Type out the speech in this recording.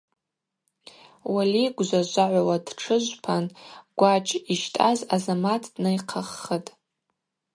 Уали гвжважвагӏвала дтшыжвпан гвачӏ йщтӏаз Азамат днайхъаххытӏ.